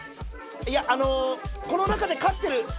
いやこの中で飼ってる。